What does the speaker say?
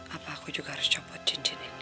apa aku juga harus copot cincin ini